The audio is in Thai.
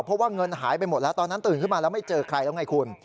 เพราะว่าเงินหายไปหมดแล้วตอนนั้นตื่นขึ้นมาแล้วไม่เจอใครแล้วไงคุณ